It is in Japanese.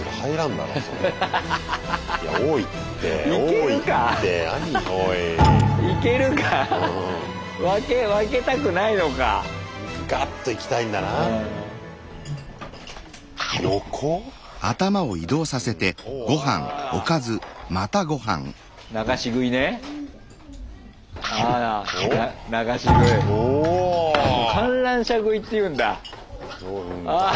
これ「観覧車食い」っていうんだ。